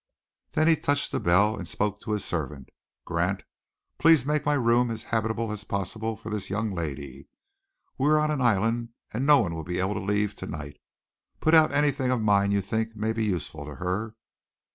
Then he touched the bell and spoke to his servant. "Grant, please make my room as habitable as possible for this young lady. We are on an island, and no one will be able to leave to night. Put out anything of mine you think may be useful to her."